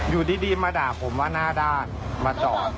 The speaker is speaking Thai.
คือคุณทำไมความเช่นนั้นล่ะ